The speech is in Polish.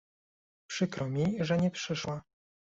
Przykro mi, że nie przeszła